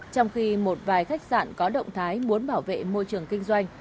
trong khi một vài khách sạn có động thái muốn bảo vệ môi trường kinh doanh